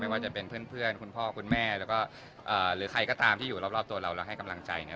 ว่าจะเป็นเพื่อนคุณพ่อคุณแม่แล้วก็หรือใครก็ตามที่อยู่รอบตัวเราแล้วให้กำลังใจนะ